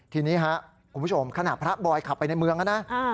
ทีนี้คุณผู้ชมขณะพระบอยขับไปในเมืองนะ